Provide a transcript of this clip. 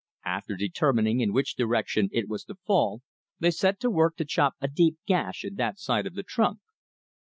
After determining in which direction it was to fall, they set to work to chop a deep gash in that side of the trunk.